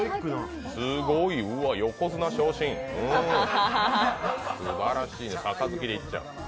すごい、うわっ、横綱昇進、すばらしい、杯でいっちゃう。